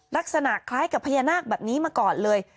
ลักษณะคล้ายกับพญานาคแบบนี้มาก่อนเลย